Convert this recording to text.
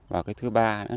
và thứ ba là